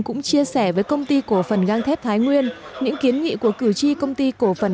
cũng chia sẻ với công ty cổ phần gang thép thái nguyên những kiến nghị của cử tri công ty cổ phần